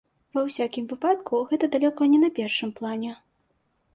Ва ўсякім выпадку, гэта далёка не на першым плане.